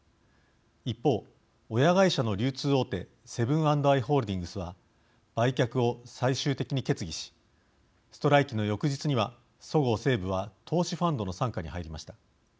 一方、親会社の流通大手セブン＆アイ・ホールディングスは売却を最終的に決議しストライキの翌日にはそごう・西武は投資ファンドの傘下に入りました。